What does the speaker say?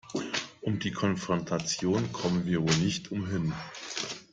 Um die Konfrontation kommen wir wohl nicht umhin.